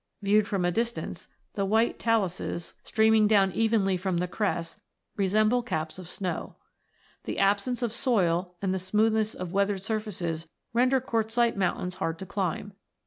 7). Viewed from a distance, the white taluses, streaming 78 ROCKS AND THEIR ORIGINS [CH. down evenly from the crests, resemble caps of snow. The absence of soil and the smoothness of weathered surfaces render quartzite mountains hard to climb.